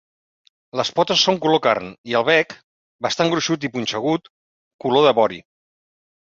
Les potes són color carn i el bec, bastant gruixut i punxegut, color de vori.